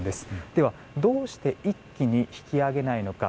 では、どうして一気に引き揚げないのか。